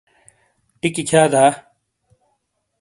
ٹِیکی کھِیا دا؟